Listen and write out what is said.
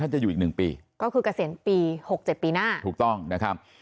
จะอยู่อีกหนึ่งปีก็คือเกษียณปี๖๗ปีหน้าถูกต้องนะครับ